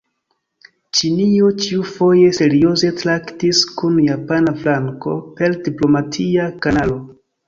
Ĉinio ĉiufoje serioze traktis kun japana flanko per diplomatia kanalo.